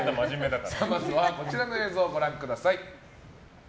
まずはこちらの映像ご覧ください。